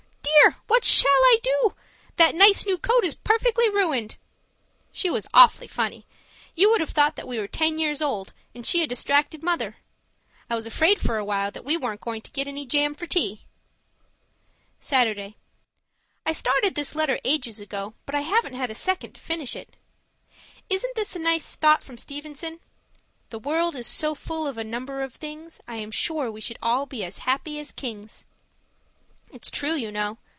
Dear! What shall I do? That nice new coat is perfectly ruined.' She was awfully funny; you would have thought that we were ten years old, and she a distracted mother. I was afraid for a while that we weren't going to get any jam for tea. Saturday I started this letter ages ago, but I haven't had a second to finish it. Isn't this a nice thought from Stevenson? The world is so full of a number of things, I am sure we should all be as happy as kings. It's true, you know.